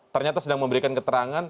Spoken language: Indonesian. ternyata sedang memberikan keterangan